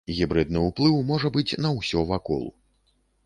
Гібрыдны ўплыў можа быць на ўсё вакол.